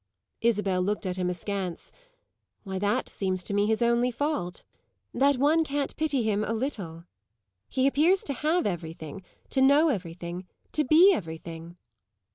Isabel looked at him askance. "Why, that seems to me his only fault that one can't pity him a little. He appears to have everything, to know everything, to be everything."